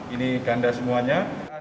ini ganda semuanya